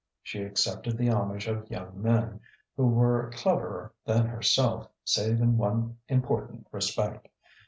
She accepted the homage of young men, who were cleverer than herself save in one important respect.